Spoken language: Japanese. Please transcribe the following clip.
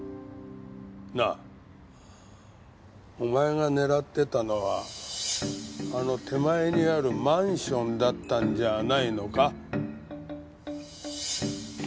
なあお前が狙ってたのはあの手前にあるマンションだったんじゃないのか？